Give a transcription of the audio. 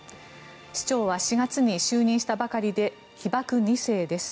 市長は４月に就任したばかりで被爆２世です。